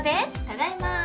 ただいま。